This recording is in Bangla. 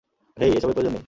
হেই, এসবের প্রয়োজন নেই!